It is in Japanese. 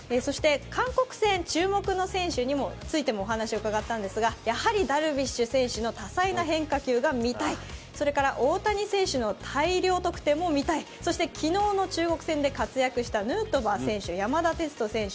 韓国戦、注目の選手についてもお話を伺ったんですが、やはりダルビッシュ選手の多彩な変化球も見たい、そして大谷選手の大量得点も見たい、そして昨日の中国戦で活躍したヌートバー選手、山田哲人選手